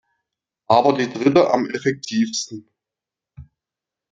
Aber die dritte am effektivsten.